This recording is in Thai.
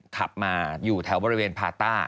ขับมาอยู่แถวบริเวณพาต้า